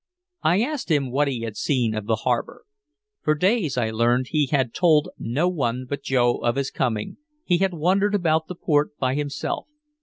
I asked him what he had seen of the harbor. For days, I learned, he had told no one but Joe of his coming, he had wandered about the port by himself.